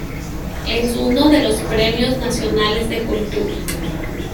Es uno de los Premios Nacionales de Cultura.